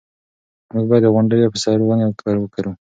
موږ باید د غونډیو په سر ونې وکرو.